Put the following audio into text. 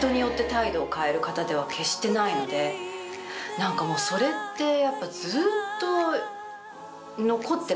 何かもうそれってやっぱ。